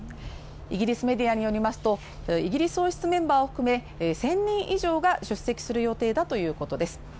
イギリスメディアによりますと、イギリス王室メンバーを含め１０００人以上が出席する予定だということです。